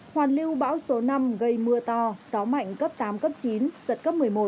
hoàn lưu bão số năm gây mưa to gió mạnh cấp tám cấp chín giật cấp một mươi một